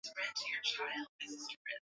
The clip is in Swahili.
Aokoe ulimwengu.